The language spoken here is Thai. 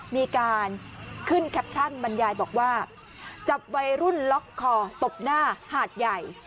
มีการขึ้นแคปชั่นบรรยายบอกว่าจับวัยรุ่นล็อกคอตบหน้าหาดใหญ่